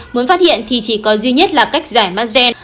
muốn phát hiện thì chỉ có duy nhất là cách giải mạng gen